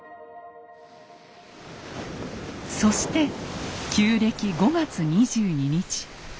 そして旧暦５月２２日。